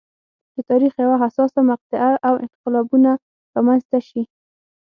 د تاریخ یوه حساسه مقطعه او انقلابونه رامنځته شي.